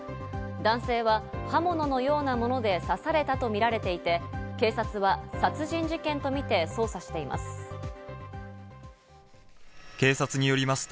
男性は刃物のようなもので刺されたとみられていて、警察は殺人事件とみて捜査しています。